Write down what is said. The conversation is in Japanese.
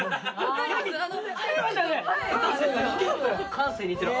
感性似てる？